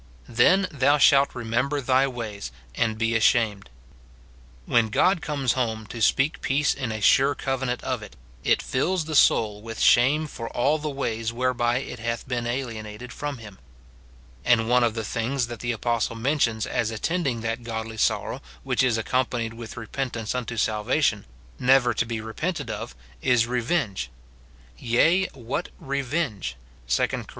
"Then thou shalt remember thy ways, and be ashamed." When God comes home to speak peace in a sure covenant of it, it fills the soul Avith shame for all the ways whereby it hath been alienated from him. And one of the things that the apostle men tions as attending that godly sorrow which is accompa nied Avith repentance unto salvation, never to be repented of, is revenge: "Yea, what revenge!" 2 Cor.